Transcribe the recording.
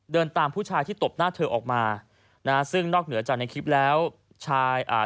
เดินตามผู้ชายที่ตบหน้าเธอออกมานะฮะซึ่งนอกเหนือจากในคลิปแล้วชายอ่า